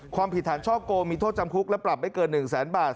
ความผิดฐานช่อโกงมีโทษจำคุกและปรับไม่เกิน๑แสนบาท